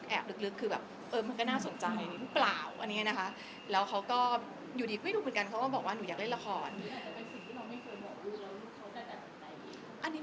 ไม่รู้เหมือนกันว่าเพราะอะไรเขาบอกว่าเขาอยากเล่น